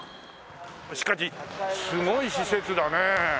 しかしすごい施設だね。